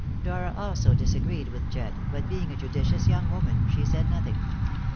Dora also disagreed with Jedd, but, being a judicious young woman, she said nothing.